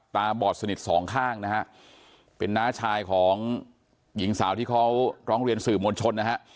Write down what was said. บอดสนิทสองข้างนะฮะเป็นน้าชายของหญิงสาวที่เขาร้องเรียนสื่อมวลชนนะฮะ